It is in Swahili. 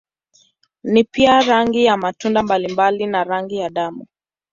Ni pia rangi ya matunda mbalimbali na rangi ya damu.